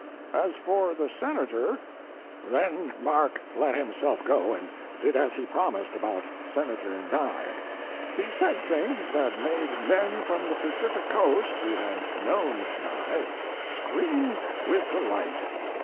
As for the senator Then Mark let himself go and did as he promised about Senator Nye. He said things that made men from the Pacific coast, who had known Nye, scream with delight.